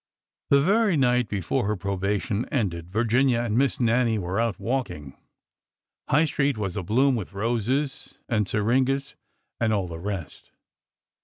The very night before her probation ended Virginia and Miss Nannie were out walking. High Street was abloom with roses and syringas and all the rest.